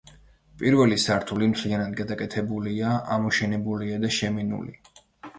პირველი სართული მთლიანად გადაკეთებულია: ამოშენებულია და შემინული.